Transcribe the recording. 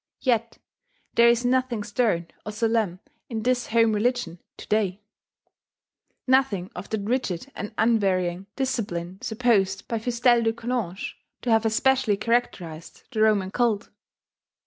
Yet there is nothing stern or solemn in this home religion to day, nothing of that rigid and unvarying discipline supposed by Fustel de Coulanges to have especially characterized the Roman cult.